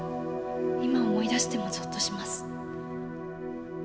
今思い出してもぞっとします。